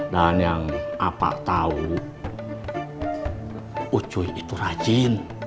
dan yang apa tau ucuy itu rajin